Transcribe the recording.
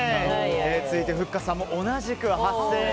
続いてふっかさんも同じく８０００円。